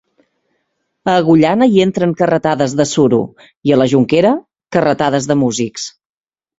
A Agullana hi entren carretades de suro i, a la Jonquera, carretades de músics.